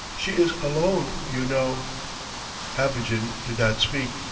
She is alone, you know!" Abogin did not speak.